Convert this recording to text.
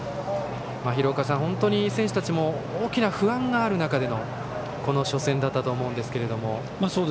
廣岡さん、本当に選手たちも大きな不安がある中でのこの初戦だったと思いますが。